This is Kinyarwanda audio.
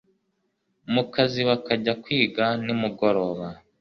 mu kazi bakajya kwiga nimugoroba